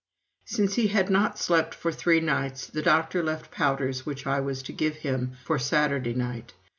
Since he had not slept for three nights, the doctor left powders which I was to give him for Saturday night.